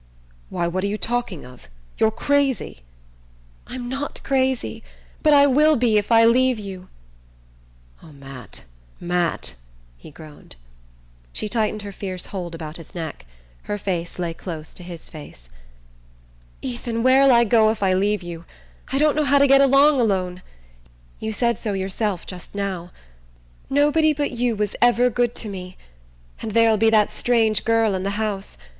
"Why, what are you talking of? You're crazy!" "I'm not crazy; but I will be if I leave you." "Oh, Matt, Matt " he groaned. She tightened her fierce hold about his neck. Her face lay close to his face. "Ethan, where'll I go if I leave you? I don't know how to get along alone. You said so yourself just now. Nobody but you was ever good to me. And there'll be that strange girl in the house...